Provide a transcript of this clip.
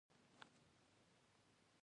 آیا خوراکي توکي له ایران نه راځي؟